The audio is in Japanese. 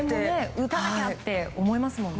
打たなきゃって思いますよね。